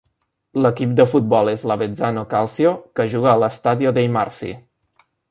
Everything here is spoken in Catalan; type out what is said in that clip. L'equip de futbol és l'Avezzano Calcio que juga a l'Stadio dei Marsi.